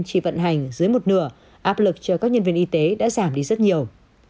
chỉ vận hành dưới một nửa áp lực cho các nhân viên y tế đã giảm đi rất nhiều